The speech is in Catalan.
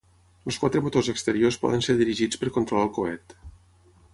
Els quatre motors exteriors poden ser dirigits per controlar el coet.